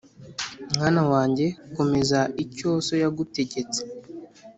Mwana wanjye komeza icyo so yagutegetse